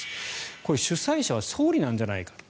これ、主催者は総理なんじゃないか。